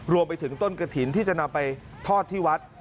รวมไปถึงต้นกระถิ่นที่จะนำไปทอดที่วัด